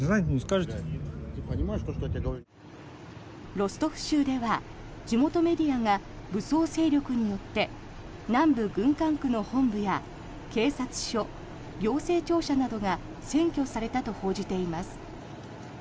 ロストフ州では地元メディアが武装勢力によって南部軍管区の本部や警察署、行政庁舎などが占拠されたと報じています。